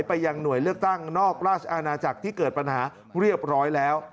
ไปยังหน่วยเลือกตั้งนอกราชอาณาจักรที่เกิดปัญหาเรียบร้อยแล้ว